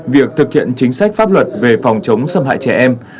việc thực hiện chính sách pháp luật về phòng chống xâm hại trẻ em